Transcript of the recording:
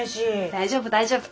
大丈夫大丈夫。